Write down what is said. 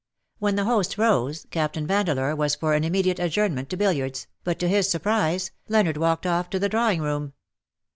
When the host rose. Captain Vandeleur was for an immediate adjournment to billiards, but to his surprise, Leonard walked off to the drawing room.